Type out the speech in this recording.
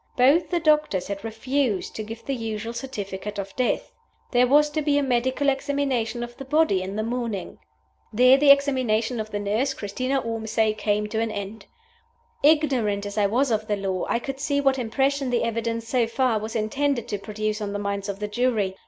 Both the doctors had refused to give the usual certificate of death! There was to be a medical examination of the body the next morning." There the examination of the nurse, Christina Ormsay, came to an end. Ignorant as I was of the law, I could see what impression the evidence (so far) was intended to produce on the minds of the jury.